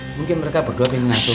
mungkin mereka berdua pingin ngasuh